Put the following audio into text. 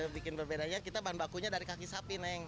bikin berbedanya kita bahan bakunya dari kaki sapi